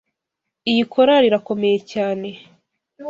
Iyi collar irakomeye cyane.